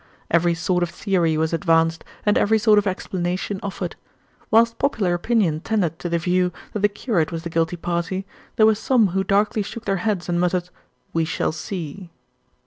Every sort of theory was advanced, and every sort of explanation offered. Whilst popular opinion tended to the view that the curate was the guilty party, there were some who darkly shook their heads and muttered, "We shall see."